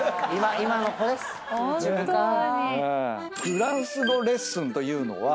フランス語レッスンというのは。